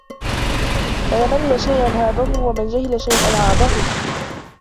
مَنْ أَمَّلَ شَيْئًا هَابَهُ وَمِنْ جَهِلَ شَيْئًا عَابَهُ